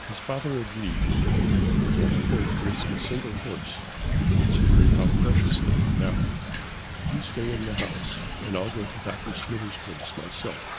His father agreed. "We can't afford to risk a single horse, considering how precious they are now. You stay in the house and I'll go to Dr. Smithers' place myself."